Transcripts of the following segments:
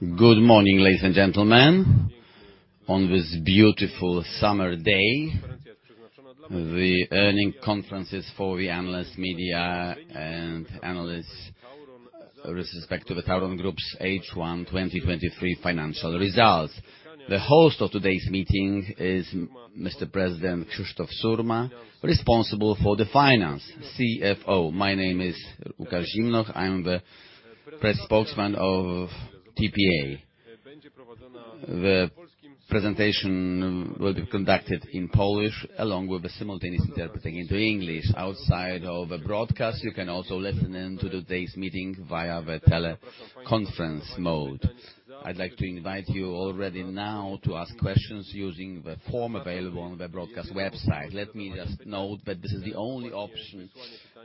Good morning, ladies and gentlemen, on this beautiful summer day. The earnings conference is for the analysts, media, and analysts with respect to the TAURON Group's H1 2023 financial results. The host of today's meeting is Mr. President, Krzysztof Surma, responsible for the finance, CFO. My name is Łukasz Zimnoch. I'm the press spokesman of TPA. The presentation will be conducted in Polish, along with the simultaneous interpreting into English. Outside of the broadcast, you can also listen in to today's meeting via the teleconference mode. I'd like to invite you already now to ask questions using the form available on the broadcast website. Let me just note that this is the only option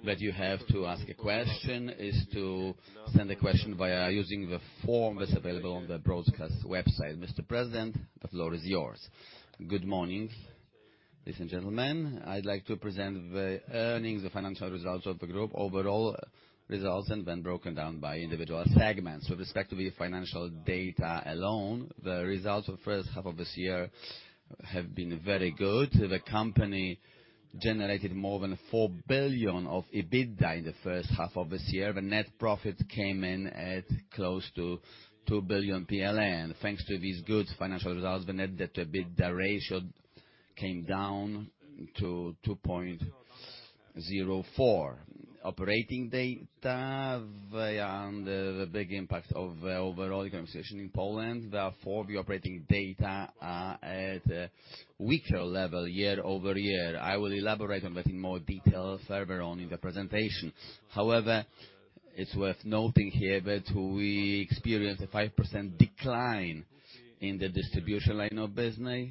that you have to ask a question, is to send a question via using the form that's available on the broadcast website. Mr. President, the floor is yours. Good morning, ladies and gentlemen. I'd like to present the earnings, the financial results of the group, overall results, and then broken down by individual segments. With respect to the financial data alone, the results of the first half of this year have been very good. The company generated more than 4 billion of EBITDA in the first half of this year. The net profit came in at close to 2 billion PLN. Thanks to these good financial results, the net debt to EBITDA ratio came down to 2.04. Operating data, they are under the big impact of the overall economic situation in Poland. Therefore, the operating data are at a weaker level year-over-year. I will elaborate on that in more detail further on in the presentation. However, it's worth noting here that we experienced a 5% decline in the distribution line of business.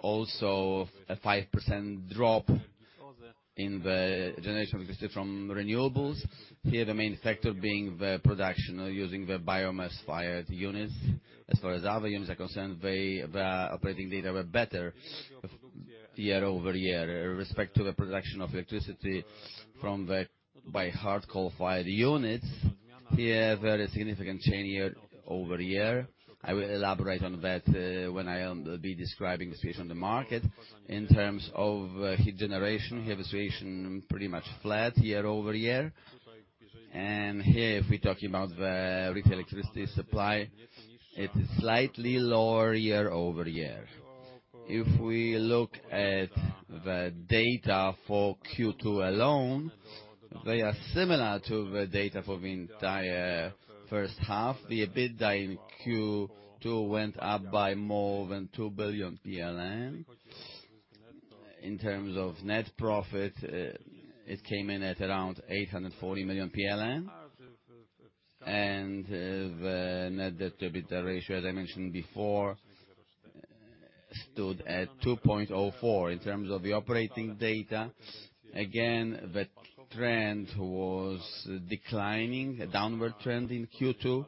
Also, a 5% drop in the generation of business from renewables. Here, the main factor being the production using the biomass-fired units. As far as other units are concerned, the operating data were better year-over-year. With respect to the production of electricity by hard coal-fired units, here, very significant change year-over-year. I will elaborate on that, when I be describing the situation on the market. In terms of heat generation, here, the situation pretty much flat year-over-year. Here, if we're talking about the retail electricity supply, it is slightly lower year-over-year. If we look at the data for Q2 alone, they are similar to the data for the entire first half. The EBITDA in Q2 went up by more than 2 billion PLN. In terms of net profit, it came in at around 840 million PLN, and the net debt to EBITDA ratio, as I mentioned before, stood at 2.04. In terms of the operating data, again, the trend was declining, a downward trend in Q2.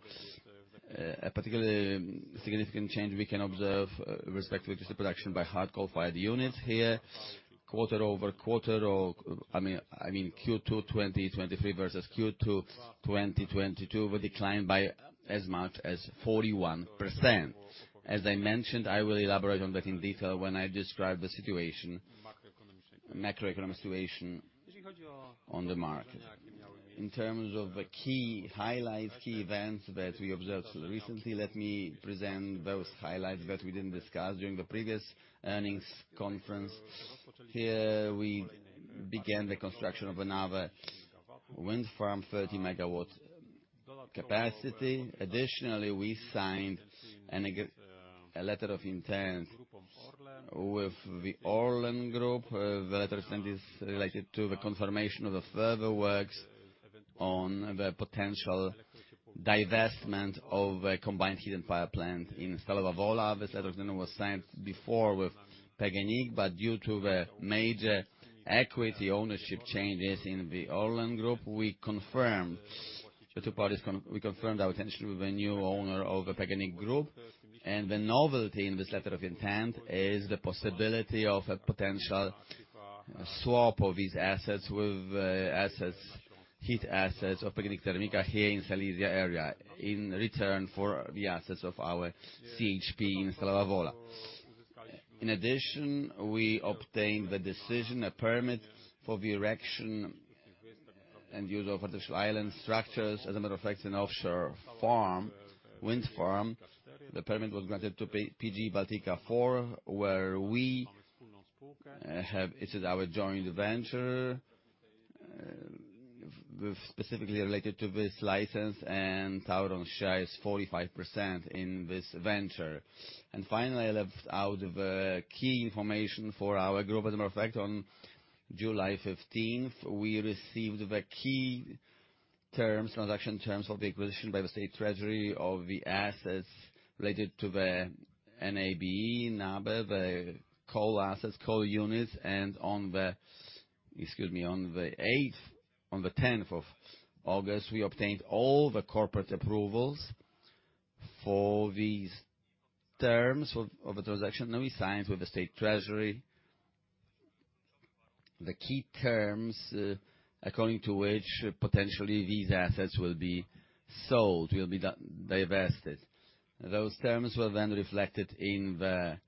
A particularly significant change we can observe with respect to the production by hard coal-fired units here, quarter over quarter or, I mean, I mean, Q2 2023 versus Q2 2022, were declined by as much as 41%. As I mentioned, I will elaborate on that in detail when I describe the situation, macroeconomic situation on the market. In terms of the key highlights, key events that we observed recently, let me present those highlights that we didn't discuss during the previous earnings conference. Here, we began the construction of another wind farm, 30 MW capacity. Additionally, we signed a letter of intent with the ORLEN Group. The letter intent is related to the confirmation of the further works on the potential divestment of a combined heat and power plant in Stalowa Wola. This letter of intent was signed before with PGNiG, but due to the major equity ownership changes in the ORLEN Group, we confirmed our intention with a new owner of the PGNiG Group. And the novelty in this letter of intent is the possibility of a potential swap of these assets with assets, heat assets of PGNiG TERMIKA here in Silesia area, in return for the assets of our CHP in Stalowa Wola. In addition, we obtained the decision, a permit for the erection and use of artificial island structures, as a matter of fact, an offshore farm, wind farm. The permit was granted to PGE Baltica 4, where we have... It's our joint venture, specifically related to this license, and TAURON shares 45% in this venture. And finally, I left out the key information for our group. As a matter of fact, on July fifteenth, we received the key terms, transaction terms of the acquisition by the State reasury of the assets related to the N-A-B, NABE, the coal assets, coal units, and on the, excuse me, on the eighth, on the tenth of August, we obtained all the corporate approvals for these terms of, of the transaction that we signed with the State Treasury. The key terms, according to which potentially these assets will be sold, will be done, divested. Those terms were then reflected in the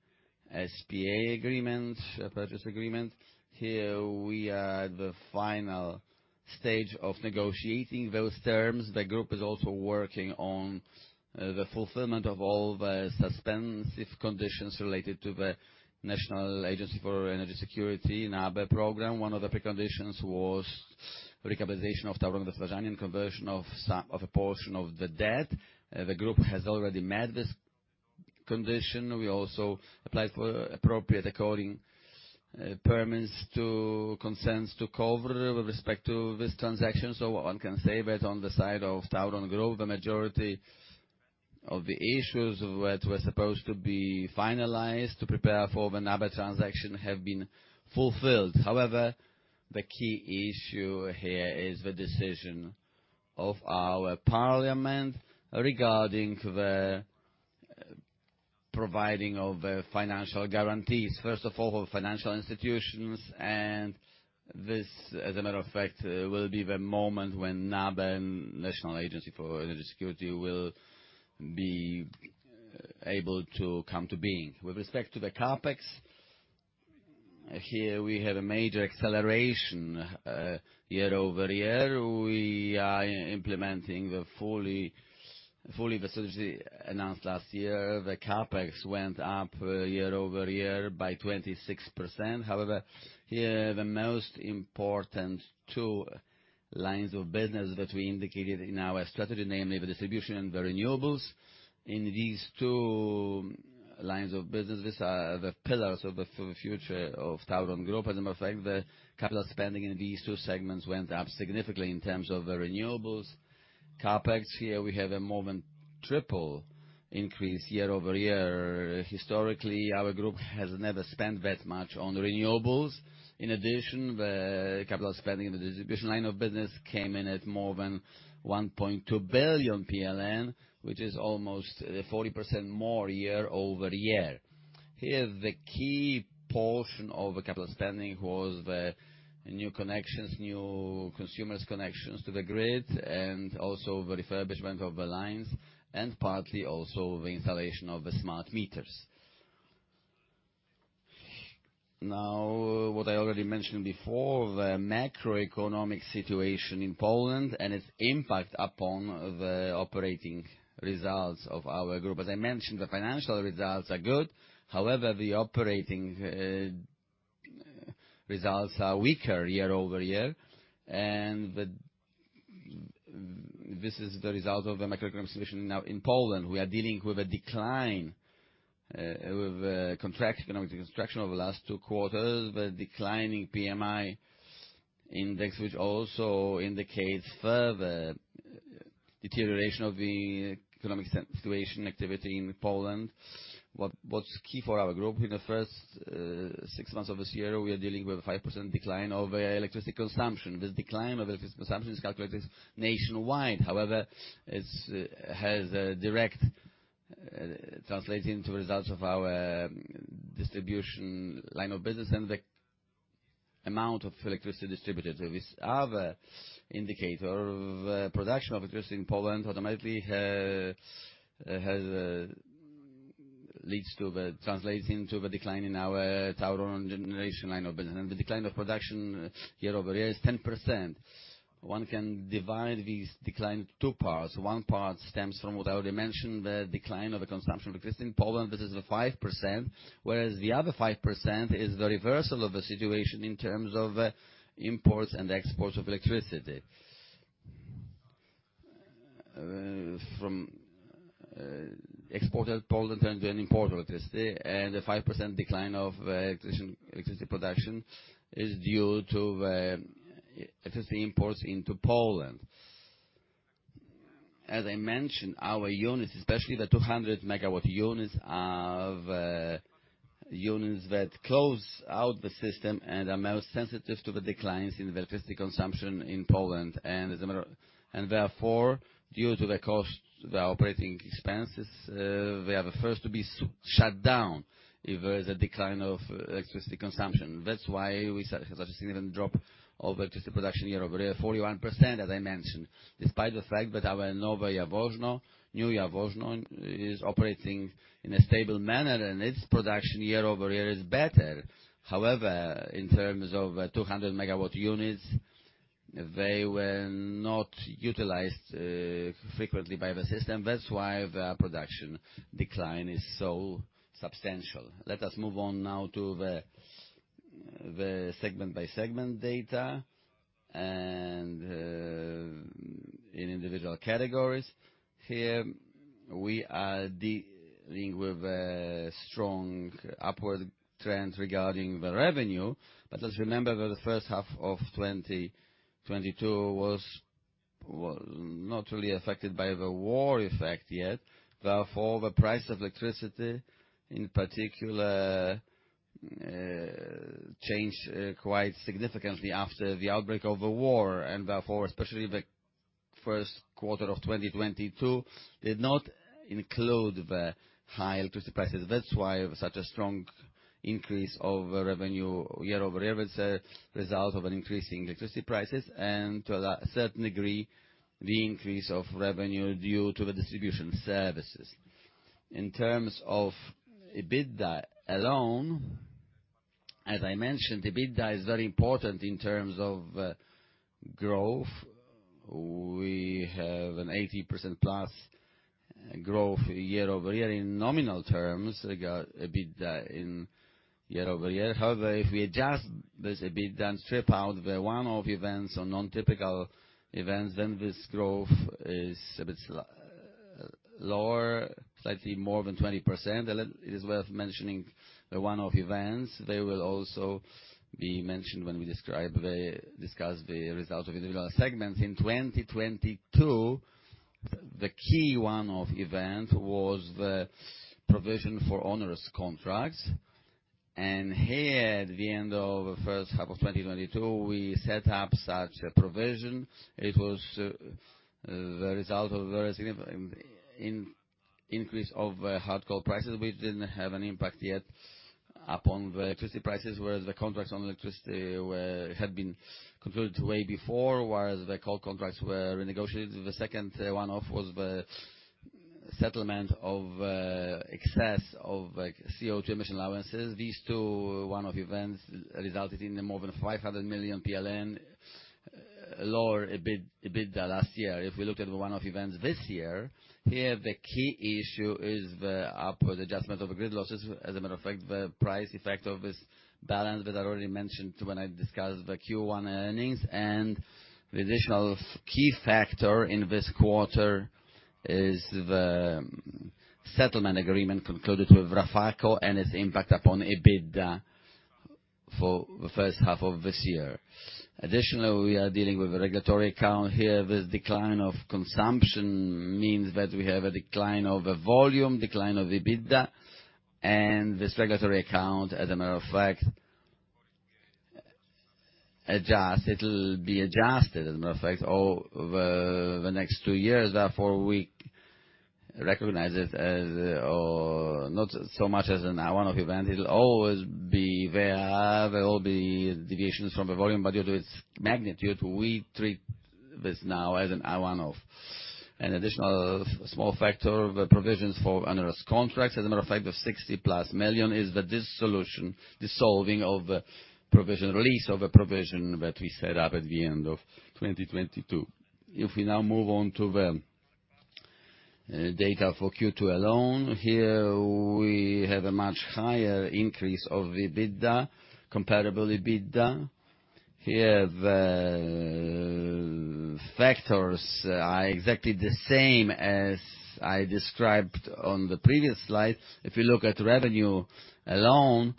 SPA agreement, purchase agreement. Here we are at the final stage of negotiating those terms. The group is also working on the fulfillment of all the suspensive conditions related to the NABE program. One of the preconditions was recapitalization of TAURON, the conversion of some of a portion of the debt. The group has already met this condition. We also applied for appropriate consents to KOWR with respect to this transaction. So one can say that on the side of TAURON Group, the majority of the issues that were supposed to be finalized to prepare for the NABE transaction have been fulfilled. However, the key issue here is the decision of our parliament regarding the providing of financial guarantees. First of all, financial institutions, and this, as a matter of fact, will be the moment when NABE, National Agency for Energy Security, will be able to come to being. With respect to the CapEx, here we have a major acceleration year-over-year. We are implementing fully, fully the strategy announced last year. The CapEx went up year-over-year by 26%. However, here, the most important two lines of business that we indicated in our strategy, namely the distribution and the renewables. In these two lines of business, these are the pillars of the future of TAURON Group. As a matter of fact, the capital spending in these two segments went up significantly in terms of the renewables. CapEx, here we have a more than triple increase year-over-year. Historically, our group has never spent that much on renewables. In addition, the capital spending in the distribution line of business came in at more than 1.2 billion PLN, which is almost 40% more year-over-year. Here, the key portion of the capital spending was the new connections, new consumers connections to the grid, and also the refurbishment of the lines, and partly also the installation of the smart meters. Now, what I already mentioned before, the macroeconomic situation in Poland and its impact upon the operating results of our group. As I mentioned, the financial results are good. However, the operating results are weaker year-over-year, and this is the result of the macroeconomic situation now in Poland. We are dealing with a decline with a contract economic construction over the last two quarters, the declining PMI index, which also indicates further deterioration of the economic situation activity in Poland. What's key for our group, in the first six months of this year, we are dealing with a 5% decline of electricity consumption. This decline of electricity consumption is calculated nationwide. However, it's has a direct translating to results of our distribution line of business and the amount of electricity distributed. This other indicator of production of electricity in Poland automatically leads to the translating to the decline in our TAURON generation line of business. The decline of production year-over-year is 10%. One can divide this decline in two parts. One part stems from what I already mentioned, the decline of the consumption of electricity in Poland, this is the 5%, whereas the other 5% is the reversal of the situation in terms of imports and exports of electricity. From exporter Poland turns to an importer of electricity, and the 5% decline of electricity production is due to the electricity imports into Poland. As I mentioned, our units, especially the 200-megawatt units, are the units that close out the system and are most sensitive to the declines in the electricity consumption in Poland. And therefore, due to the cost, the operating expenses, we are the first to be shut down if there is a decline of electricity consumption. That's why we have such a significant drop of electricity production year-over-year, 41%, as I mentioned, despite the fact that our Nowe Jaworzno, New Jaworzno, is operating in a stable manner, and its production year-over-year is better. However, in terms of 200-megawatt units, they were not utilized frequently by the system. That's why the production decline is so substantial. Let us move on now to the segment-by-segment data and in individual categories. Here we are dealing with a strong upward trend regarding the revenue. But let's remember that the first half of 2022 was not really affected by the war effect yet. Therefore, the price of electricity, in particular, changed quite significantly after the outbreak of the war, and therefore, especially the first quarter of 2022 did not include the high electricity prices. That's why such a strong increase of revenue year-over-year was a result of an increase in electricity prices, and to a certain degree, the increase of revenue due to the distribution services. In terms of EBITDA alone, as I mentioned, EBITDA is very important in terms of growth. We have an 80%+ growth year-over-year in nominal terms, regard EBITDA in year-over-year. However, if we adjust this EBITDA and strip out the one-off events or non-typical events, then this growth is a bit lower, slightly more than 20%. It is worth mentioning the one-off events. They will also be mentioned when we discuss the results of individual segments. In 2022, the key one-off event was the provision for onerous contracts, and here, at the end of the first half of 2022, we set up such a provision. It was the result of a very significant increase of hard coal prices, which didn't have an impact yet upon the electricity prices, whereas the contracts on electricity were, had been concluded way before, whereas the coal contracts were renegotiated. The second one-off was the settlement of excess of, like, CO2 emission allowances. These two one-off events resulted in more than 500 million PLN lower EBITDA last year. If we looked at the one-off events this year, here, the key issue is the upward adjustment of the grid losses. As a matter of fact, the price effect of this balance, that I already mentioned when I discussed the Q1 earnings, and the additional key factor in this quarter is the settlement agreement concluded with RAFAKO and its impact upon EBITDA for the first half of this year. Additionally, we are dealing with a regulatory account here. This decline of consumption means that we have a decline of the volume, decline of EBITDA, and this regulatory account, as a matter of fact, it'll be adjusted, as a matter of fact, over the next two years. Therefore, we recognize it as, or not so much as a one-off event. It'll always be there. There will be deviations from the volume, but due to its magnitude, we treat this now as a one-off. An additional small factor, the provisions for onerous contracts, as a matter of fact, the 60+ million, is the dissolution, dissolving of the provision, release of a provision that we set up at the end of 2022. If we now move on to the data for Q2 alone, here, we have a much higher increase of EBITDA, comparable EBITDA. Here, the factors are exactly the same as I described on the previous slide. If you look at revenue alone,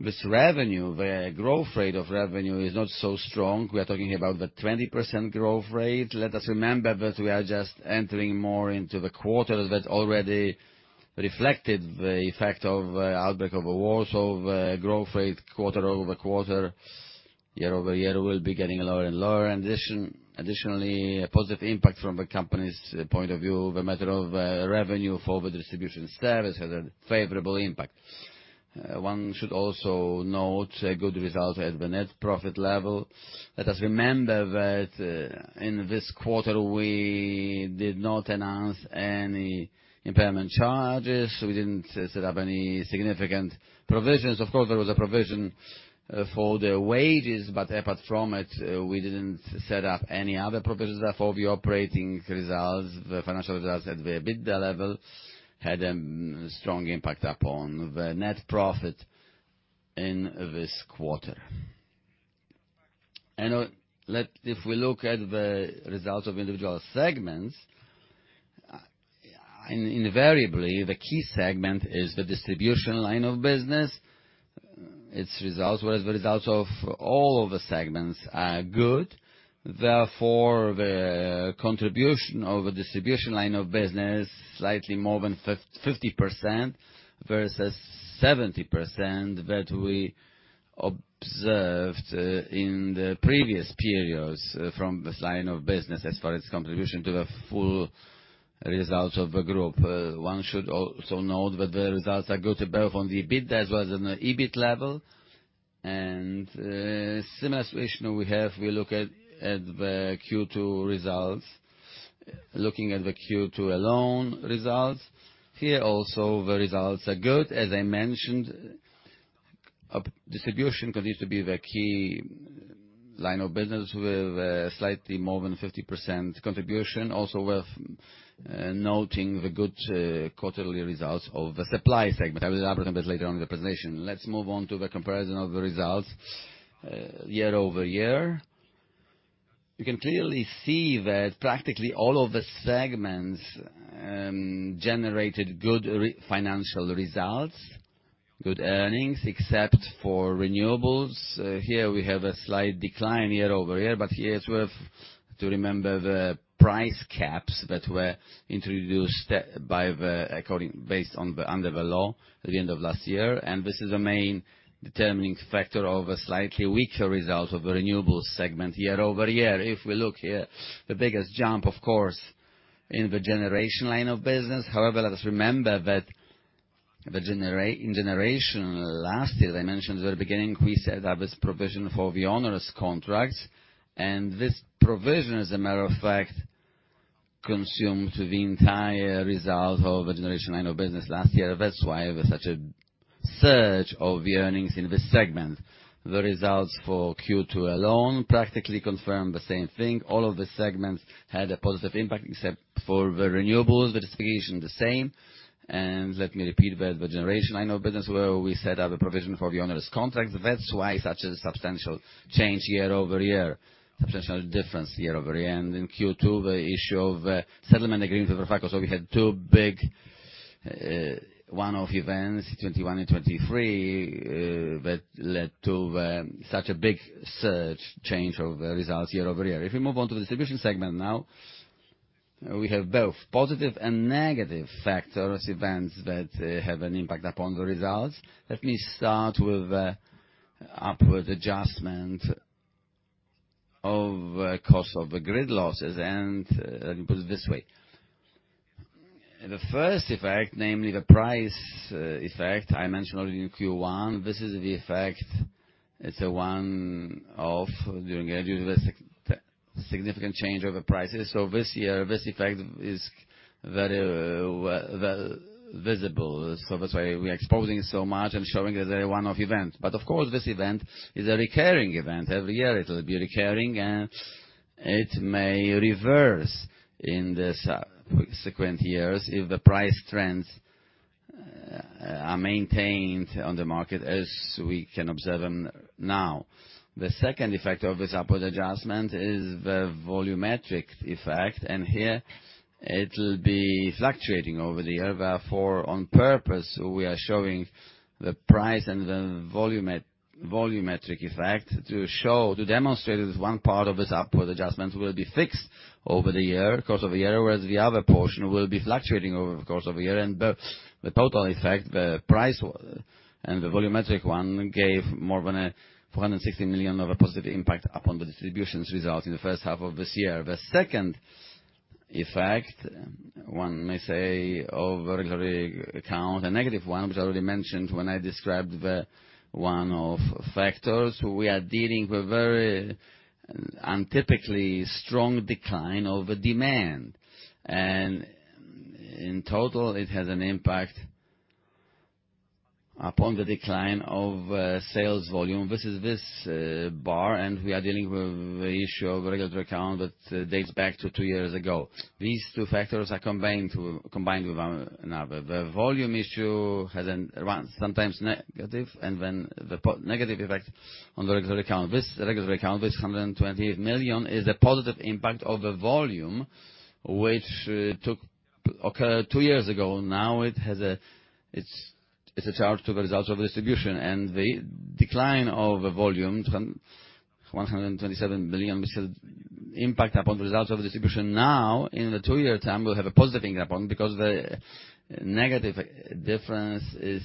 this revenue, the growth rate of revenue, is not so strong. We are talking about the 20% growth rate. Let us remember that we are just entering more into the quarters that already reflected the effect of outbreak of the war. So the growth rate quarter-over-quarter, year-over-year, will be getting lower and lower. Additionally, a positive impact from the company's point of view, the matter of, revenue forward distribution service had a favorable impact. One should also note a good result at the net profit level. Let us remember that, in this quarter, we did not announce any impairment charges. We didn't set up any significant provisions. Of course, there was a provision, for the wages, but apart from it, we didn't set up any other provisions. Therefore, the operating results, the financial results at the EBITDA level, had a strong impact upon the net profit in this quarter. If we look at the results of individual segments, invariably, the key segment is the distribution line of business, its results, whereas the results of all the segments are good. Therefore, the contribution of the distribution line of business, slightly more than 50%, versus 70% that we observed in the previous periods from this line of business as far as contribution to the full results of the group. One should also note that the results are good both on the EBITDA as well as on the EBIT level. Similar situation we have. We look at the Q2 results. Looking at the Q2 alone results, here, also, the results are good. As I mentioned, distribution continues to be the key line of business, with slightly more than 50% contribution. Also worth noting the good quarterly results of the supply segment. I will elaborate a bit later on in the presentation. Let's move on to the comparison of the results year-over-year. You can clearly see that practically all of the segments generated good financial results, good earnings, except for renewables. Here, we have a slight decline year-over-year, but here, it's worth to remember the price caps that were introduced under the law at the end of last year. And this is the main determining factor of a slightly weaker result of the renewables segment year-over-year. If we look here, the biggest jump, of course in the generation line of business. However, let us remember that in generation last year, as I mentioned at the beginning, we set up this provision for the onerous contracts, and this provision, as a matter of fact, consumed the entire result of the generation line of business last year. That's why it was such a surge of earnings in this segment. The results for Q2 alone practically confirm the same thing. All of the segments had a positive impact, except for the renewables, the distribution, the same. And let me repeat that the generation line of business, where we set up a provision for the onerous contract, that's why such a substantial change year-over-year, substantial difference year-over-year. In Q2, the issue of settlement agreement with RAFAKO, so we had two big one-off events, 2021 and 2023, that led to the such a big surge, change of the results year-over-year. If we move on to the distribution segment now, we have both positive and negative factors, events that have an impact upon the results. Let me start with the upward adjustment of cost of the grid losses, and let me put it this way. The first effect, namely the price effect, I mentioned already in Q1, this is the effect. It's a one of, during a significant change of the prices. So this year, this effect is very, very visible. So that's why we're exposing so much and showing that they're a one-off event. But of course, this event is a recurring event. Every year, it will be recurring, and it may reverse in the subsequent years if the price trends are maintained on the market, as we can observe them now. The second effect of this upward adjustment is the volumetric effect, and here it'll be fluctuating over the year. Therefore, on purpose, we are showing the price and the volumetric effect to show, to demonstrate that one part of this upward adjustment will be fixed over the year, course of the year, whereas the other portion will be fluctuating over the course of the year. And the total effect, the price and the volumetric one, gave more than 460 million of a positive impact upon the distributions results in the first half of this year. The second effect, one may say, of regulatory account, a negative one, which I already mentioned when I described the one of factors, we are dealing with very untypically strong decline over demand, and in total, it has an impact upon the decline of sales volume. This is this bar, and we are dealing with the issue of regulatory account that dates back to two years ago. These two factors are combined with one another. The volume issue has an once sometimes negative, and when the negative effect on the regulatory account. This regulatory account, this 120 million, is a positive impact of the volume, which occurred two years ago. Now, it has a—it's, it's a charge to the results of the distribution, and the decline of the volume, 127 million, which will impact upon the results of the distribution. Now, in the two-year time, we'll have a positive impact upon because the negative difference is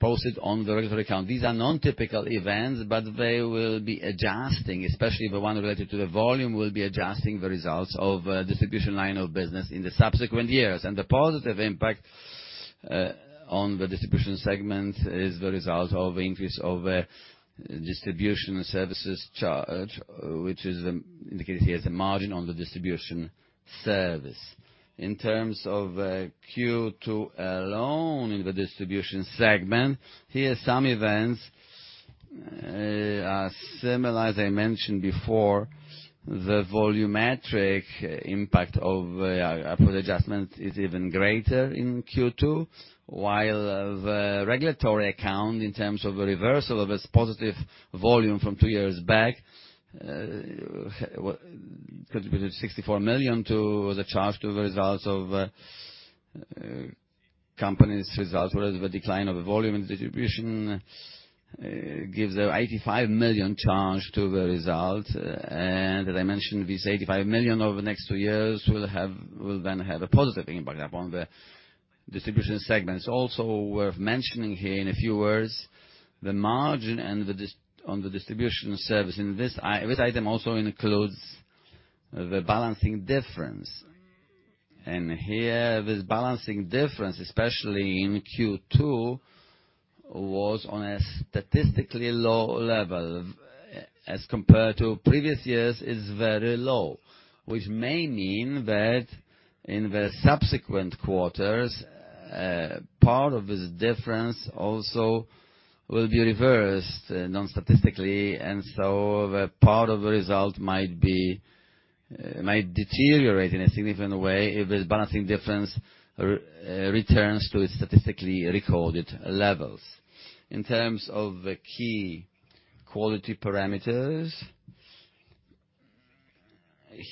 posted on the regulatory account. These are non-typical events, but they will be adjusting, especially the one related to the volume, will be adjusting the results of distribution line of business in the subsequent years. And the positive impact on the distribution segment is the result of increase of distribution services charge, which is indicated here as a margin on the distribution service. In terms of Q2 alone in the distribution segment, here, some events are similar. As I mentioned before, the volumetric impact of upward adjustment is even greater in Q2, while the regulatory account, in terms of the reversal of this positive volume from two years back, contributed 64 million to the charge, to the results of company's results, whereas the decline of the volume and distribution gives an 85 million charge to the result. As I mentioned, this 85 million over the next two years will then have a positive impact upon the distribution segments. Also worth mentioning here in a few words, the margin and the on the distribution service, and this item also includes the balancing difference. And here, this balancing difference, especially in Q2, was on a statistically low level. As compared to previous years, it's very low, which may mean that in the subsequent quarters, part of this difference also will be reversed, non-statistically, and so the part of the result might be, might deteriorate in a significant way if this balancing difference returns to its statistically recorded levels. In terms of the key quality parameters,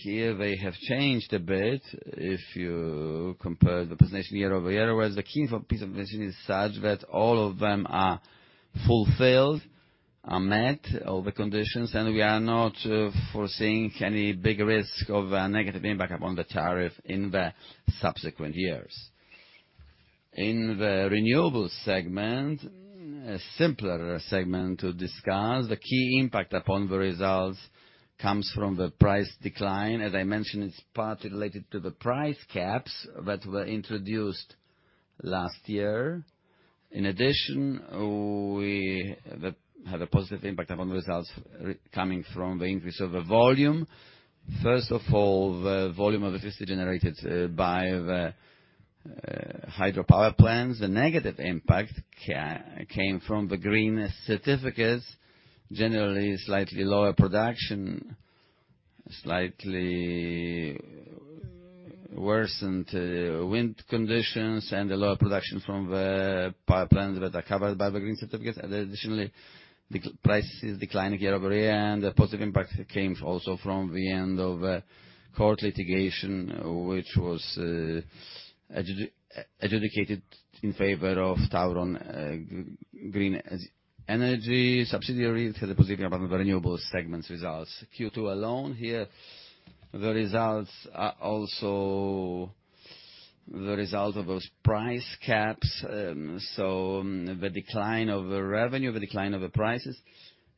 here, they have changed a bit if you compare the position year-over-year, whereas the key for piece of position is such that all of them are fulfilled, are met, all the conditions, and we are not foreseeing any big risk of a negative impact upon the tariff in the subsequent years... In the renewables segment, a simpler segment to discuss. The key impact upon the results comes from the price decline. As I mentioned, it's partly related to the price caps that were introduced last year. In addition, we had a positive impact upon the results coming from the increase of the volume. First of all, the volume of electricity generated by the hydropower plants. The negative impact came from the green certificates, generally slightly lower production, slightly worsened wind conditions, and the lower production from the power plants that are covered by the green certificates. Additionally, the prices declining year-over-year, and the positive impact came also from the end of a court litigation, which was adjudicated in favor of TAURON Green Energy Subsidiary. It had a positive impact on the renewables segment's results. Q2 alone, here, the results are also the result of those price caps, so the decline of the revenue, the decline of the prices.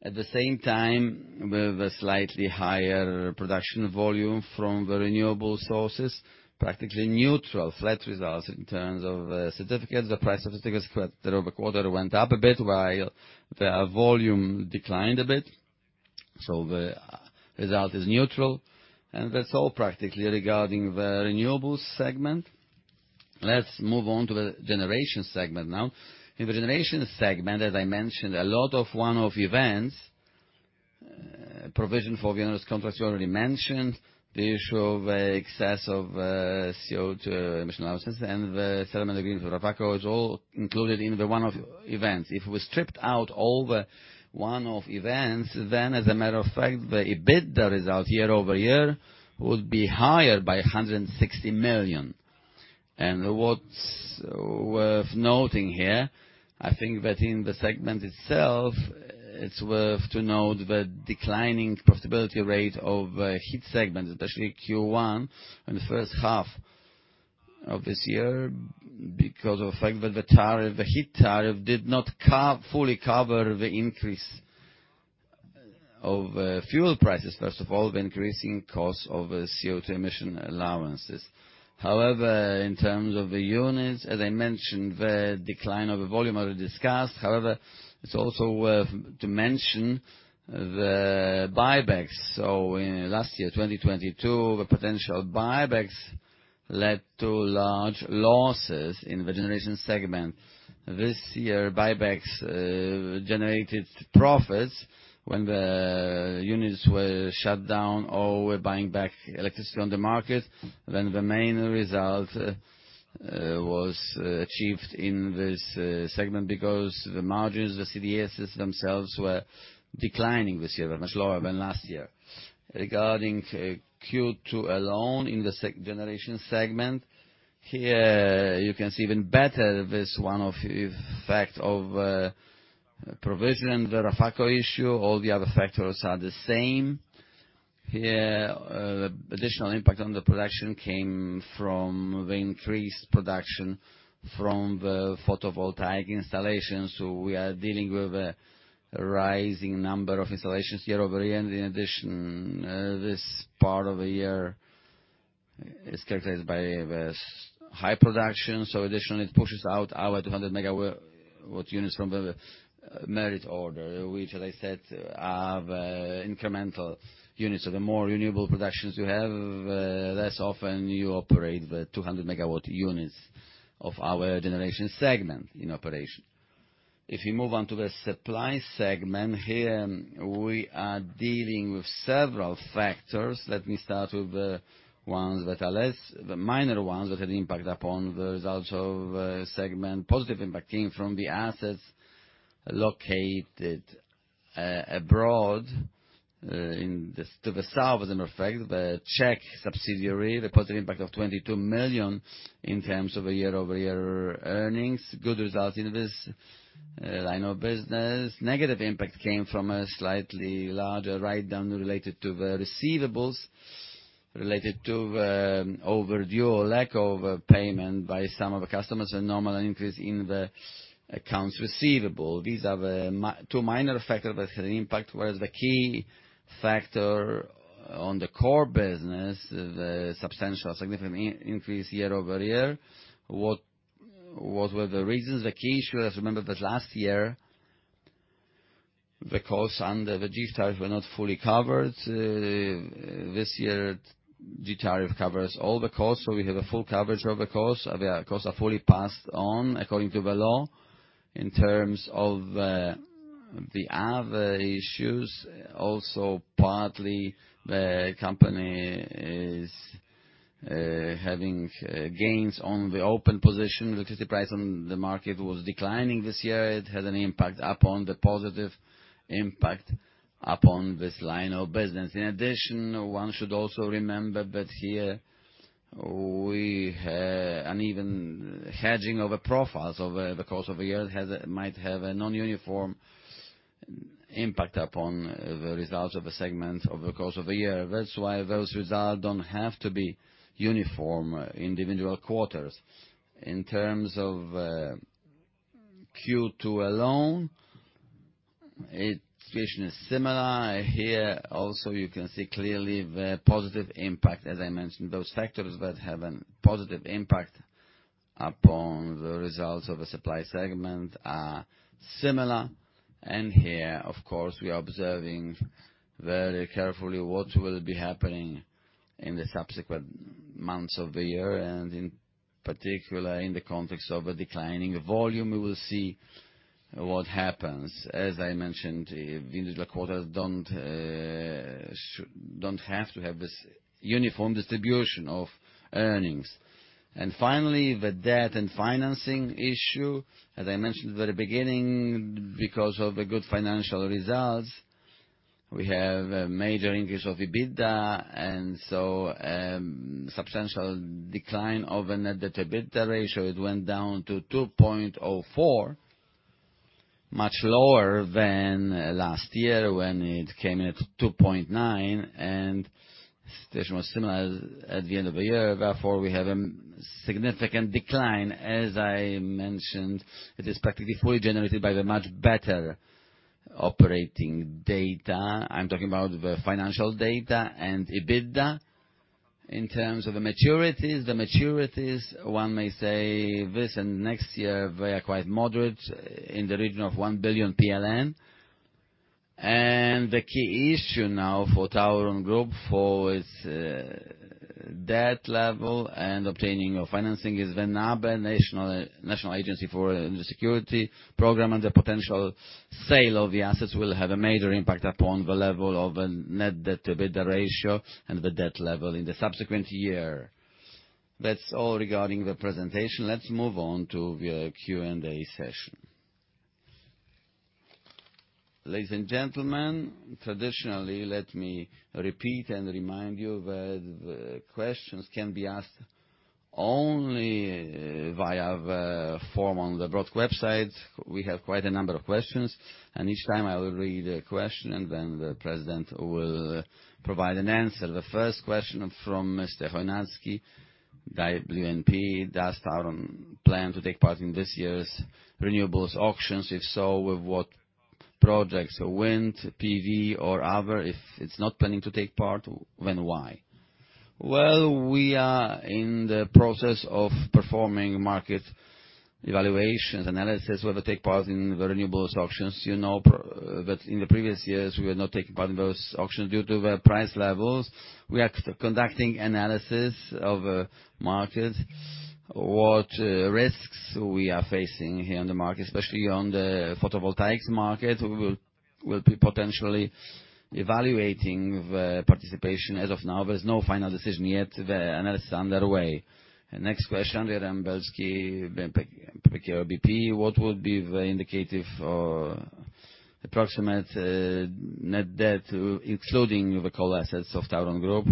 At the same time, we have a slightly higher production volume from the renewable sources, practically neutral, flat results in terms of, certificates. The price of the certificates throughout the quarter went up a bit, while the volume declined a bit, so the result is neutral. And that's all practically regarding the renewables segment. Let's move on to the generation segment now. In the generation segment, as I mentioned, a lot of one-off events, provision for onerous contracts, you already mentioned, the issue of excess of, CO2 emission analysis and the settlement agreement with RAFAKO is all included in the one-off events. If we stripped out all the one-off events, then as a matter of fact, the EBITDA result year-over-year would be higher by 160 million. And what's worth noting here, I think that in the segment itself, it's worth to note the declining profitability rate of, heat segment, especially Q1 and the first half of this year, because of the fact that the tariff, the heat tariff, did not fully cover the increase of, fuel prices. First of all, the increasing cost of CO2 emission allowances. However, in terms of the units, as I mentioned, the decline of the volume already discussed. However, it's also worth to mention the buybacks. So in last year, 2022, the potential buybacks led to large losses in the generation segment. This year, buybacks generated profits when the units were shut down or were buying back electricity on the market. Then, the main result was achieved in this segment because the margins, the CDSs themselves, were declining this year, were much lower than last year. Regarding Q2 alone in the generation segment, here, you can see even better this one-off effect of provision, the RAFAKO issue. All the other factors are the same. Here, additional impact on the production came from the increased production from the photovoltaic installations. So we are dealing with a rising number of installations year-over-year. In addition, this part of the year is characterized by this high production, so additionally, it pushes out our 200-megawatt units from the merit order, which, as I said, are the incremental units. So the more renewable productions you have, less often you operate the 200-megawatt units of our generation segment in operation. If we move on to the supply segment, here, we are dealing with several factors. Let me start with the ones that are less, the minor ones, that had an impact upon the results of segment. Positive impact came from the assets located abroad, in the, to the south, as a matter of fact, the Czech subsidiary, the positive impact of 22 million in terms of a year-over-year earnings. Good results in this line of business. Negative impact came from a slightly larger write-down related to the receivables, related to overdue or lack of a payment by some of the customers, a normal increase in the accounts receivable. These are the two minor factors that had an impact, whereas the key factor on the core business, the substantial, significant increase year-over-year. What were the reasons? The key issue, let's remember that last year, the costs under the G tariff were not fully covered. This year, G tariff covers all the costs, so we have a full coverage of the cost. The costs are fully passed on, according to the law. In terms of the other issues, also, partly, the company is having gains on the open position. Electricity price on the market was declining this year. It had an impact upon the positive impact upon this line of business. In addition, one should also remember that here we had an even hedging of profiles over the course of a year, might have a non-uniform impact upon the results of a segment over the course of a year. That's why those results don't have to be uniform individual quarters. In terms of Q2 alone, it's situation is similar. Here, also, you can see clearly the positive impact. As I mentioned, those factors that have a positive impact upon the results of a supply segment are similar, and here, of course, we are observing very carefully what will be happening in the subsequent months of the year, and in particular, in the context of a declining volume, we will see what happens. As I mentioned, individual quarters don't have to have this uniform distribution of earnings. And finally, the debt and financing issue, as I mentioned at the very beginning, because of the good financial results, we have a major increase of EBITDA, and so, substantial decline of a net debt to EBITDA ratio. It went down to 2.04, much lower than last year, when it came in at 2.9, and situation was similar at the end of the year. Therefore, we have a significant decline. As I mentioned, it is practically fully generated by the much better operating data. I'm talking about the financial data and EBITDA. In terms of the maturities, the maturities, one may say, this and next year, they are quite moderate, in the region of 1 billion PLN. The key issue now for TAURON Group for its debt level and obtaining of financing is the NABE, National Agency for Energy Security, and the potential sale of the assets will have a major impact upon the level of net debt to EBITDA ratio and the debt level in the subsequent year. That's all regarding the presentation. Let's move on to the Q&A session. Ladies and gentlemen, traditionally, let me repeat and remind you that the questions can be asked only via the form on the TAURON website. We have quite a number of questions, and each time I will read a question, and then the President will provide an answer. The first question from Mr. Chojnacki, BNP, "Does TAURON plan to take part in this year's renewables auctions? If so, with what projects? Wind, PV or other. If it's not planning to take part, then why?" Well, we are in the process of performing market evaluations, analysis, whether take part in the renewables auctions. You know, that in the previous years, we were not taking part in those auctions due to the price levels. We are conducting analysis of the market, what risks we are facing here on the market, especially on the photovoltaics market. We'll be potentially evaluating the participation. As of now, there's no final decision yet. The analysis is underway. Next question, Wim Belsky, BP, "What would be the indicative or approximate net debt, including the coal assets of TAURON Group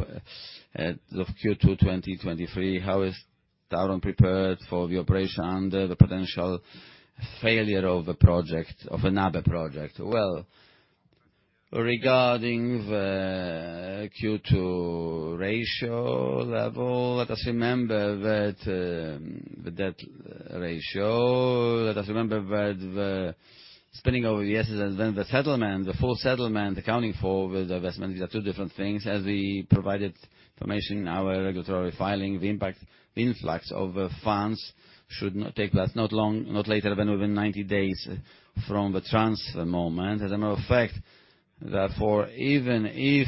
as of Q2 2023? How is TAURON prepared for the operation under the potential failure of the project, of another project?" Well, regarding the Q2 ratio level, let us remember that, the debt ratio, let us remember that the spending over the years and then the settlement, the full settlement, accounting for the investment, these are two different things. As we provided information in our regulatory filing, the impact, the influx of funds should not take place, not long, not later than within 90 days from the transfer moment. As a matter of fact, therefore, even if,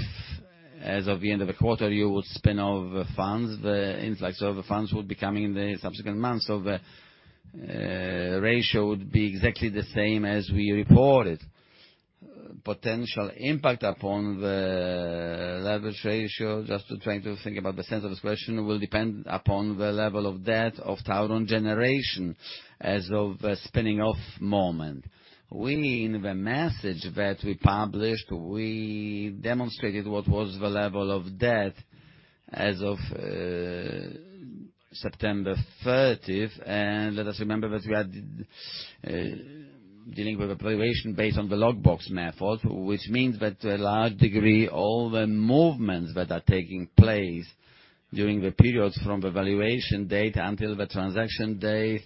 as of the end of the quarter, you would spin off the funds, the influx of the funds would be coming in the subsequent months, so the ratio would be exactly the same as we reported. Potential impact upon the leverage ratio, just to trying to think about the sense of this question, will depend upon the level of debt of TAURON Generation as of the spinning off moment. We, in the message that we published, we demonstrated what was the level of debt as of September thirtieth. Let us remember that we are dealing with valuation based on the lock-box method, which means that to a large degree, all the movements that are taking place during the periods from the valuation date until the transaction date,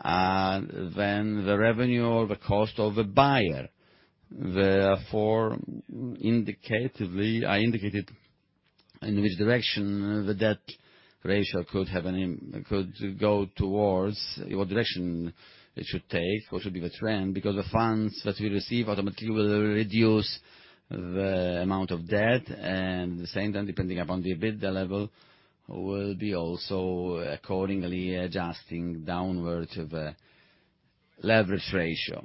are then the revenue or the cost of the buyer. Therefore, indicatively, I indicated in which direction the debt ratio could go towards what direction it should take, what should be the trend, because the funds that we receive automatically will reduce the amount of debt, and the same time, depending upon the EBITDA level, will be also accordingly adjusting downwards of a leverage ratio.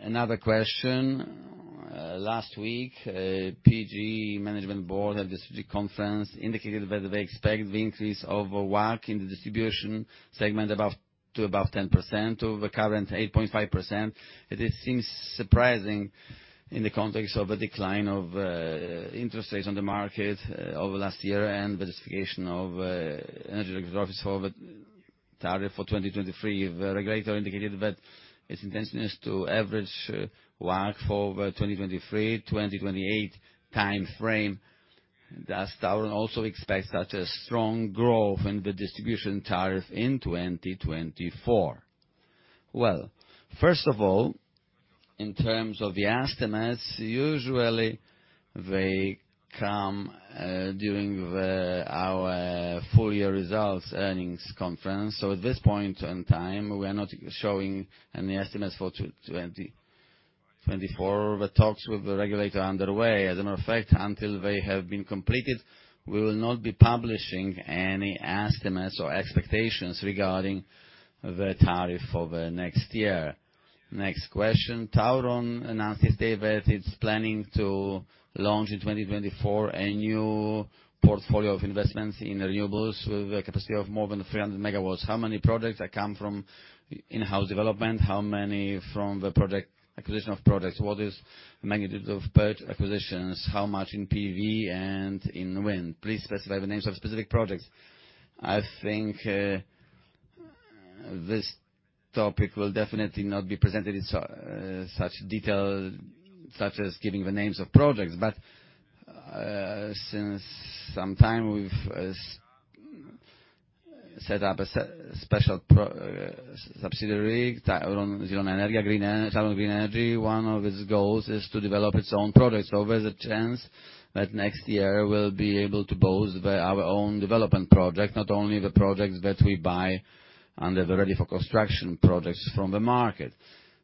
Another question, "Last week, PGE Management Board at the strategic conference indicated that they expect the increase of WACC in the distribution segment above, to above 10% of the current 8.5%. It seems surprising in the context of a decline of interest rates on the market over the last year and the justification of energy office for the tariff for 2023. The regulator indicated that its intention is to average WACC for the 2023-2028 time frame. Does TAURON also expect such a strong growth in the distribution tariff in 2024? Well, first of all, in terms of the estimates, usually they come during our full year results earnings conference. So at this point in time, we are not showing any estimates for 2024. The talks with the regulator are underway. As a matter of fact, until they have been completed, we will not be publishing any estimates or expectations regarding the tariff for the next year. Next question: TAURON announced this day that it's planning to launch in 2024 a new portfolio of investments in renewables with a capacity of more than 300 megawatts. How many projects that come from in-house development? How many from the acquisition of projects? What is the magnitude of purchase acquisitions? How much in PV and in wind? Please specify the names of specific projects. I think this topic will definitely not be presented in such detail, such as giving the names of projects. But since some time, we've set up a special subsidiary, TAURON Zielona Energia, Green Energy, TAURON Green Energy. One of its goals is to develop its own products. So there's a chance that next year we'll be able to boast our own development project, not only the projects that we buy under the ready for construction projects from the market.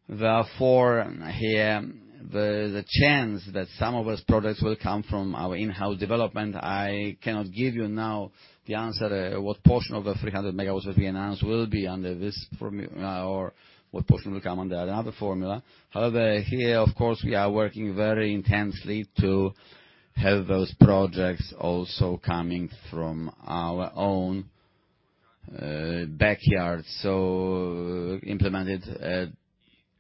Therefore, here, the chance that some of those products will come from our in-house development, I cannot give you now the answer what portion of the 300 MW will be announced, will be under this formula or what portion will come under another formula. However, here, of course, we are working very intensely to have those projects also coming from our own backyard. So implemented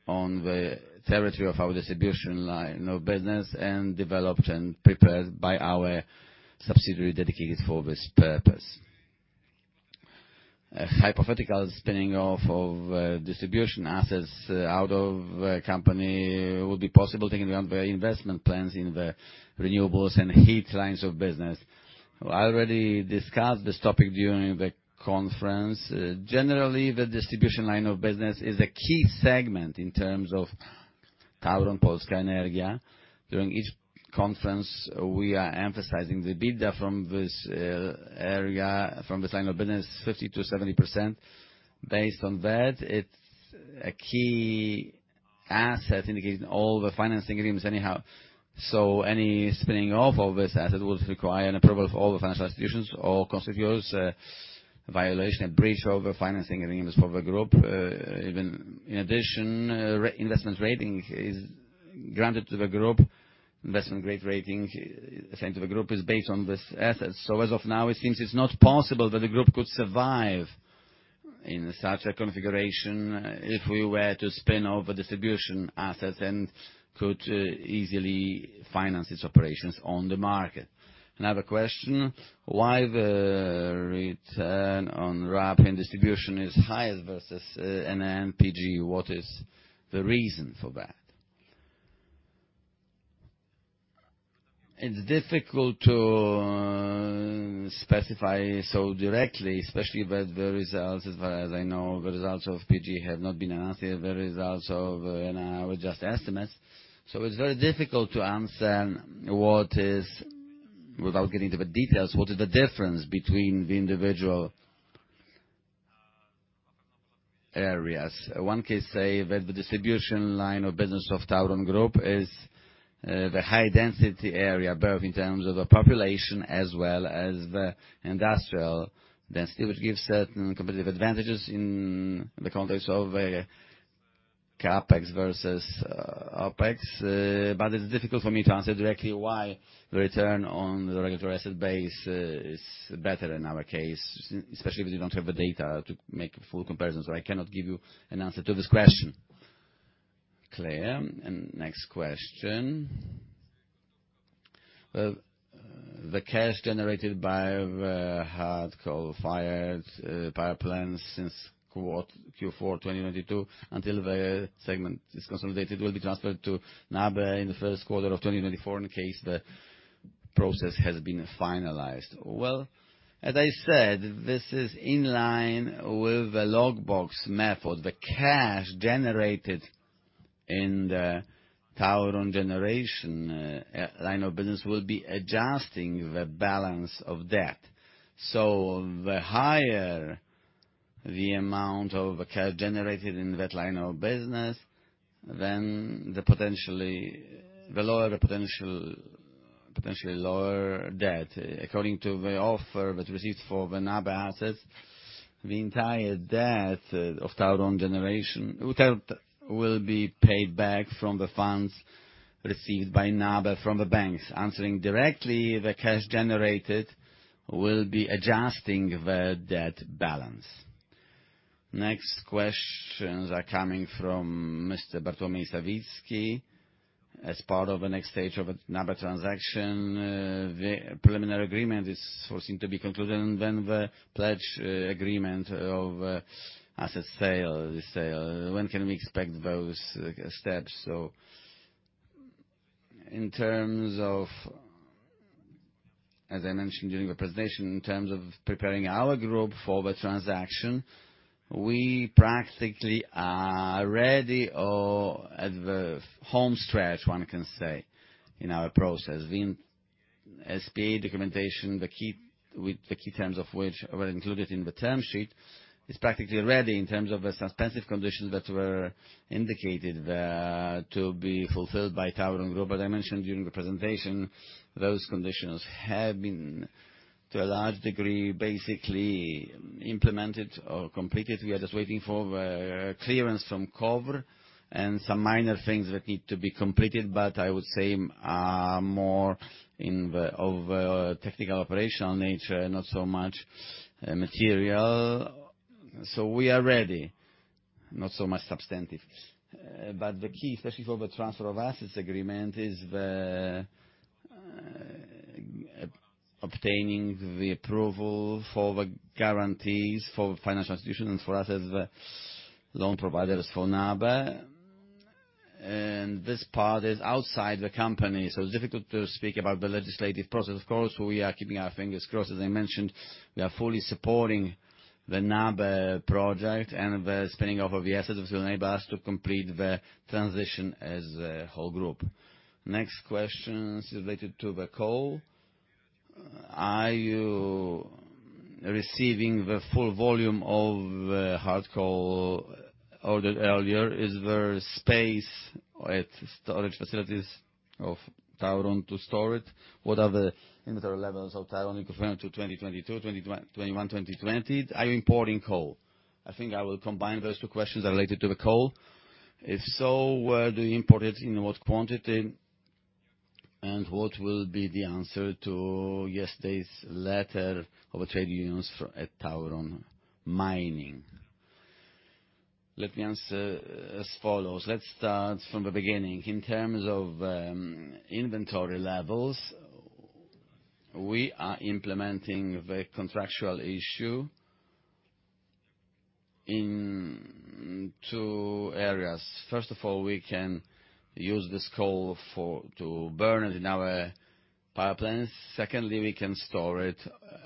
on the territory of our distribution line of business and developed and prepared by our subsidiary, dedicated for this purpose. A hypothetical spinning off of distribution assets out of the company would be possible, taking on the investment plans in the renewables and heat lines of business. I already discussed this topic during the conference. Generally, the distribution line of business is a key segment in terms of TAURON Polska Energia. During each conference, we are emphasizing the bid from this area, from this line of business, 50%-70%. Based on that, it's a key asset in all the financing agreements anyhow. So any spinning off of this asset would require an approval of all the financial institutions or contributors, a violation, a breach of the financing agreements for the group. Even in addition, re-investment rating is granted to the group. Investment grade rating, assigned to the group is based on these assets. So as of now, it seems it's not possible that the group could survive in such a configuration if we were to spin off the distribution assets and could easily finance its operations on the market. Another question: Why the return on RAB in distribution is highest versus ENEA and PGE? What is the reason for that? It's difficult to specify so directly, especially with the results. As far as I know, the results of PGE have not been announced yet. The results of ENEA are just estimates. So it's very difficult to answer what is without getting into the details, what is the difference between the individual areas? One can say that the distribution line of business of TAURON Group is the high density area, both in terms of the population as well as the industrial density, which gives certain competitive advantages in the context of CapEx versus OpEx. But it's difficult for me to answer directly why the return on the regulatory asset base is better in our case, especially if you don't have the data to make a full comparison. So I cannot give you an answer to this question. Clear, and next question. The cash generated by the hard coal-fired power plants since Q4 2022, until the segment is consolidated, will be transferred to NABE in the first quarter of 2024, in case the process has been finalized. Well, as I said, this is in line with the lockbox method. The cash generated in the TAURON generation line of business will be adjusting the balance of debt. So the higher the amount of cash generated in that line of business, then the potentially, the lower the potential, potentially lower debt. According to the offer that received for the NABE assets, the entire debt of TAURON generation, without will be paid back from the funds received by NABE from the banks. Answering directly, the cash generated will be adjusting the debt balance. Next questions are coming from Mr. Bartłomiej Sawicki, as part of the next stage of the NABE transaction, the preliminary agreement is forcing to be concluded, and then the pledge agreement of asset sale, the sale. When can we expect those steps? So in terms of, as I mentioned during the presentation, in terms of preparing our group for the transaction, we practically are ready or at the home stretch, one can say, in our process. SPA documentation, the key terms of which were included in the term sheet, is practically ready in terms of the suspensive conditions that were indicated there to be fulfilled by TAURON Group. But I mentioned during the presentation, those conditions have been, to a large degree, basically implemented or completed. We are just waiting for the clearance from KOWR and some minor things that need to be completed, but I would say are more in the technical operational nature, not so much material. So we are ready. Not so much substantive, but the key, especially for the transfer of assets agreement, is the obtaining the approval for the guarantees for financial institutions and for us as the loan providers for NABE. And this part is outside the company, so it's difficult to speak about the legislative process. Of course, we are keeping our fingers crossed. As I mentioned, we are fully supporting the NABE project and the spinning off of the assets, which will enable us to complete the transition as a whole group. Next question is related to the coal. Are you receiving the full volume of hard coal ordered earlier? Is there space at storage facilities of TAURON to store it? What are the inventory levels of TAURON compared to 2022, 2021, 2020? Are you importing coal? I think I will combine those two questions related to the coal. If so, where do you import it, in what quantity, and what will be the answer to yesterday's letter of trade unions for at TAURON Mining? Let me answer as follows. Let's start from the beginning. In terms of inventory levels, we are implementing the contractual issue in two areas. First of all, we can use this coal for to burn it in our power plants. Secondly, we can store it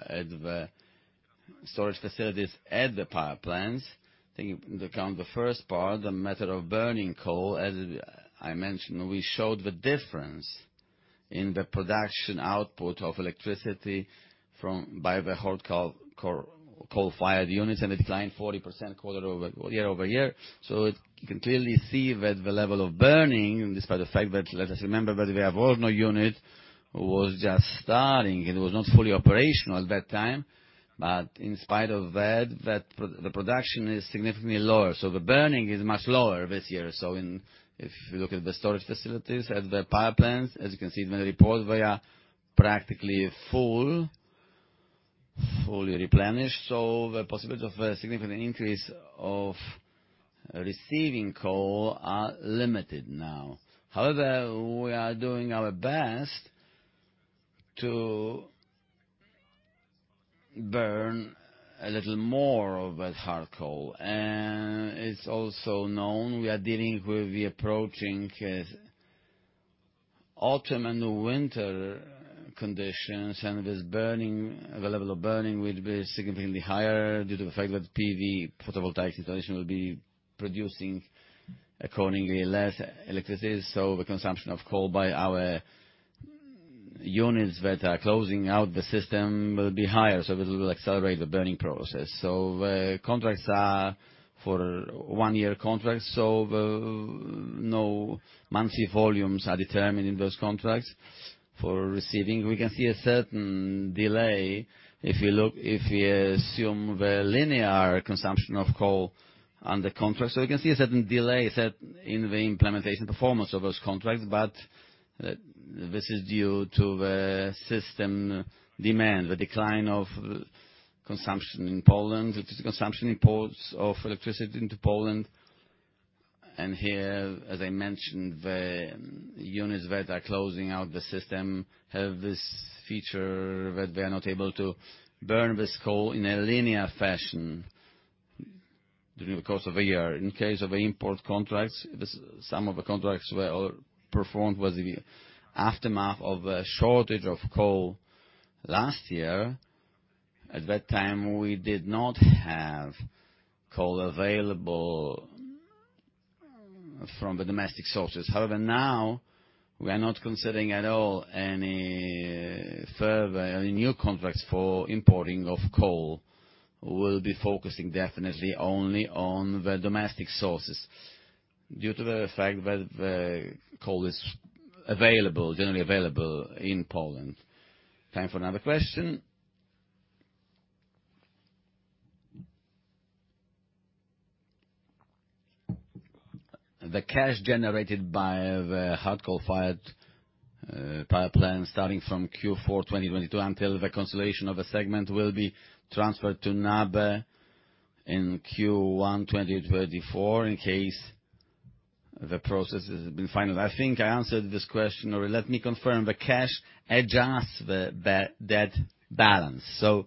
at the storage facilities at the power plants. Taking into account the first part, the method of burning coal, as I mentioned, we showed the difference in the production output of electricity from by the hard coal, coal-fired units, and it declined 40% quarter-over-year, year-over-year. So you can clearly see that the level of burning, despite the fact that, let us remember, that we have Orno unit, was just starting. It was not fully operational at that time. But in spite of that, the production is significantly lower, so the burning is much lower this year. So, if you look at the storage facilities at the power plants, as you can see in the report, they are practically full, fully replenished, so the possibility of a significant increase of receiving coal are limited now. However, we are doing our best to burn a little more of that hard coal. It's also known we are dealing with the approaching autumn and winter conditions, and this burning, the level of burning, will be significantly higher due to the fact that PV, photovoltaic installation, will be producing accordingly less electricity, so the consumption of coal by our units that are closing out the system will be higher, so it will accelerate the burning process. The contracts are for one-year contracts, so no monthly volumes are determined in those contracts. For receiving, we can see a certain delay if you look if we assume the linear consumption of coal on the contract. We can see a certain delay set in the implementation performance of those contracts, but this is due to the system demand, the decline of consumption in Poland, which is consumption imports of electricity into Poland. Here, as I mentioned, the units that are closing out the system have this feature that they are not able to burn this coal in a linear fashion during the course of a year. In case of import contracts, some of the contracts were all performed with the aftermath of a shortage of coal last year. At that time, we did not have coal available from the domestic sources. However, now, we are not considering at all any further, any new contracts for importing of coal. We'll be focusing definitely only on the domestic sources due to the fact that the coal is available, generally available in Poland. Time for another question. The cash generated by the hard coal-fired-... Power plant starting from Q4 2022 until the consolidation of a segment will be transferred to NABE in Q1 2024, in case the process has been final. I think I answered this question already. Let me confirm the cash adjusts the debt balance. So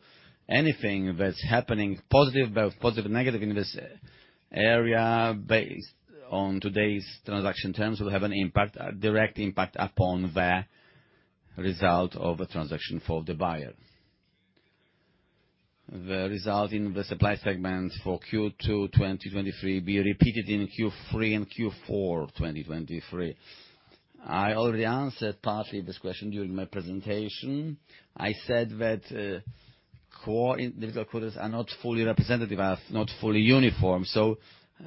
anything that's happening, positive, both positive, negative in this area, based on today's transaction terms, will have an impact, a direct impact upon the result of a transaction for the buyer. The result in the supply segment for Q2 2023 be repeated in Q3 and Q4 2023. I already answered partly this question during my presentation. I said that, core in the quarters are not fully representative, are not fully uniform, so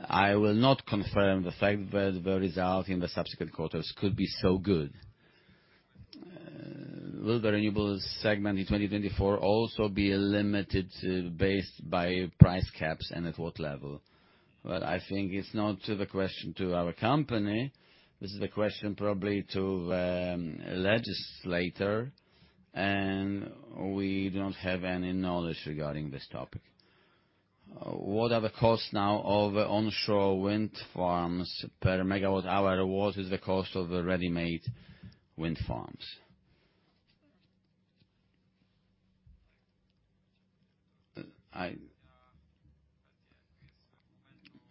I will not confirm the fact that the result in the subsequent quarters could be so good. Will the renewables segment in 2024 also be limited based by price caps and at what level? Well, I think it's not to the question to our company. This is a question probably to legislator, and we don't have any knowledge regarding this topic. What are the costs now of onshore wind farms per megawatt hour? What is the cost of the ready-made wind farms?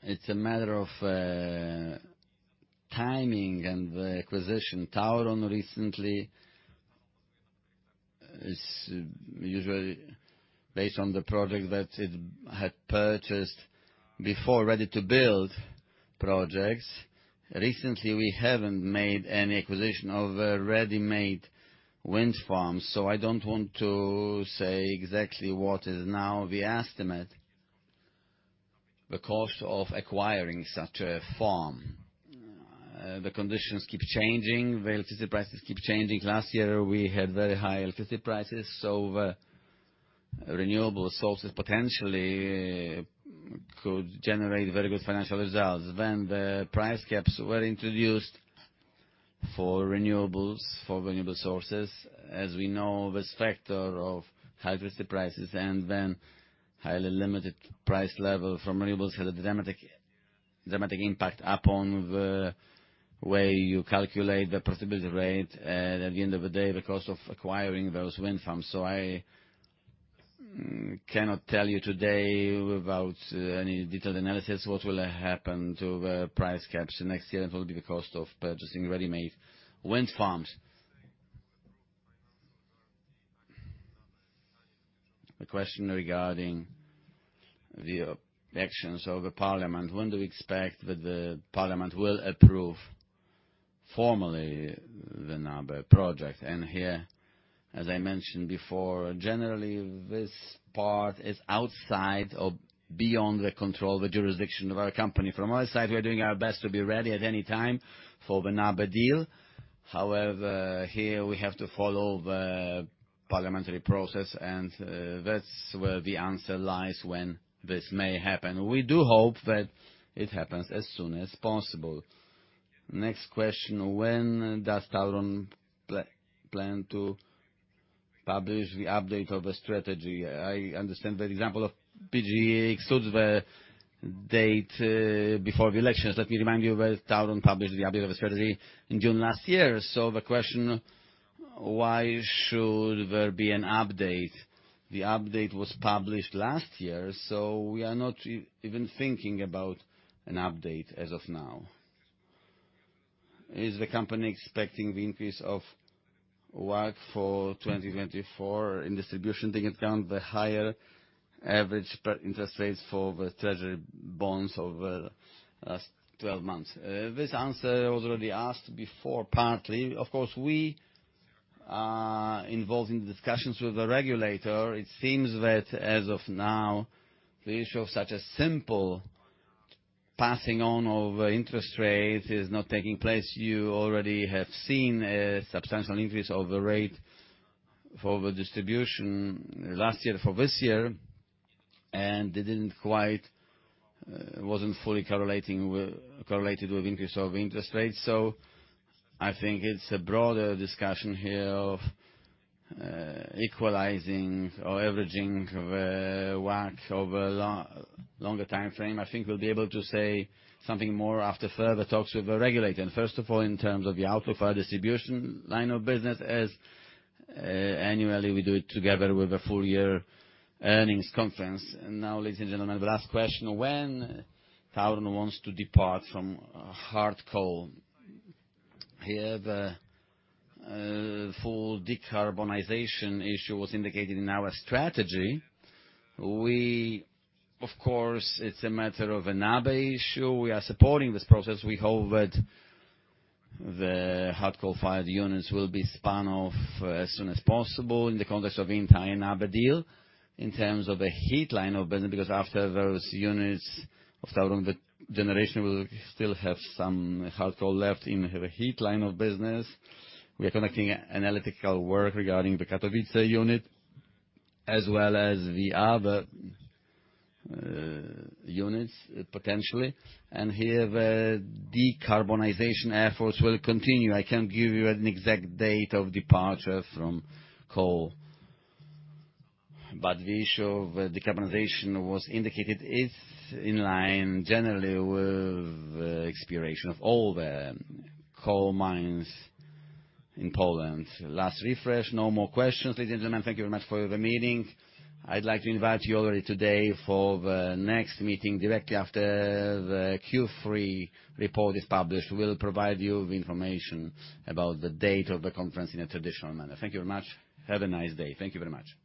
It's a matter of timing and the acquisition. TAURON recently is usually based on the project that it had purchased before, ready to build projects. Recently, we haven't made any acquisition of ready-made wind farms, so I don't want to say exactly what is now the estimate. The cost of acquiring such a farm. The conditions keep changing, the electricity prices keep changing. Last year, we had very high electricity prices, so the renewable sources potentially could generate very good financial results. When the price caps were introduced for renewables, for renewable sources, as we know, this factor of high electricity prices and then highly limited price level from renewables had a dramatic, dramatic impact upon the way you calculate the possibility rate, and at the end of the day, the cost of acquiring those wind farms. So I cannot tell you today without any detailed analysis, what will happen to the price caps next year, and what will be the cost of purchasing ready-made wind farms. A question regarding the actions of the parliament. When do we expect that the parliament will approve formally the NABE project? And here, as I mentioned before, generally, this part is outside or beyond the control, the jurisdiction of our company. From our side, we are doing our best to be ready at any time for the NABE deal. However, here we have to follow the parliamentary process, and that's where the answer lies when this may happen. We do hope that it happens as soon as possible. Next question: When does TAURON plan to publish the update of a strategy? I understand the example of PGE excludes the date before the elections. Let me remind you that TAURON published the update of strategy in June last year. So the question, why should there be an update? The update was published last year, so we are not even thinking about an update as of now. Is the company expecting the increase of WACC for 2024 in distribution taking account the higher average par interest rates for the treasury bonds over the last twelve months? This answer was already asked before, partly. Of course, we are involved in discussions with the regulator. It seems that as of now, the issue of such a simple passing on of interest rates is not taking place. You already have seen a substantial increase of the rate for the distribution last year, for this year, and it didn't quite... wasn't fully correlated with increase of interest rates. So I think it's a broader discussion here of equalizing or averaging the WACC over a longer timeframe. I think we'll be able to say something more after further talks with the regulator. First of all, in terms of our distribution line of business, as annually, we do it together with a full year earnings conference. And now, ladies and gentlemen, the last question: When TAURON wants to depart from hard coal? Here, the full decarbonization issue was indicated in our strategy. Of course, it's a matter of a NABE issue. We are supporting this process. We hope that the hard coal-fired units will be spun off as soon as possible in the context of entire NABE deal, in terms of the heat line of business, because after those units of TAURON, the generation will still have some hard coal left in the heat line of business. We are conducting analytical work regarding the Katowice unit as well as the other units, potentially. And here, the decarbonization efforts will continue. I can't give you an exact date of departure from coal, but the issue of decarbonization was indicated it's in line, generally, with the expiration of all the coal mines in Poland. Last refresh. No more questions. Ladies and gentlemen, thank you very much for the meeting. I'd like to invite you already today for the next meeting, directly after the Q3 report is published. We'll provide you with information about the date of the conference in a traditional manner. Thank you very much. Have a nice day. Thank you very much. Bye.